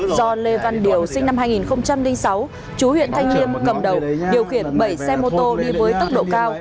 do lê văn điều sinh năm hai nghìn sáu chú huyện thanh liêm cầm đầu điều khiển bảy xe mô tô đi với tốc độ cao